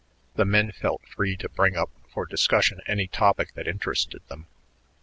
The men felt free to bring up for discussion any topic that interested them.